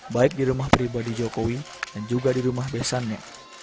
baik di rumah pribadi jokowi dan juga di rumah besannya